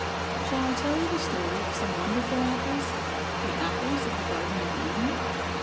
Shall I tell you the story of some wonderful apples, the apples of the Garden of Eden